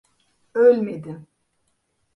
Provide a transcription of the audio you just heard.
Ölmedin.